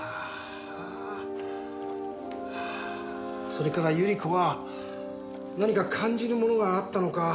それから百合子は何か感じるものがあったのか。